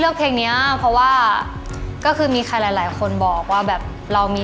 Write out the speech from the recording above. รักฉันแล้วรักใครไม่ได้